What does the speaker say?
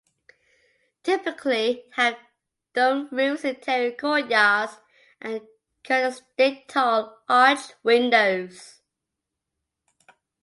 Typically, they have domed roofs, interior courtyards and characteristic tall, arched windows.